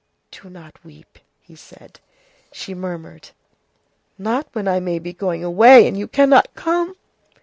"Do not weep," he said. She murmured:— "Not when I may be going away, and you cannot come!"